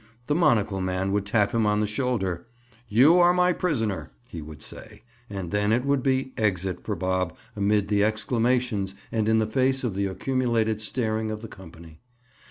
The monocle man would tap him on the shoulder. "You are my prisoner," he would say. And then it would be "exit" for Bob amid the exclamations and in the face of the accumulated staring of the company.